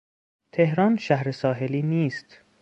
تهران شهر ساحلی نیست.